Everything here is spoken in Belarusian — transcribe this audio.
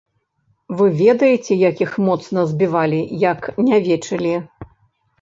Вы ведаеце, як іх моцна збівалі, як нявечылі.